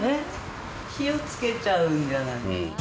火をつけちゃうんじゃない？